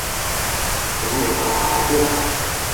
噉你再話我知啦